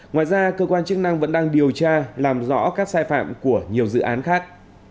ngoài ra cơ quan chức năng vẫn đang điều tra làm rõ các sai phạm của nhiều dự án khác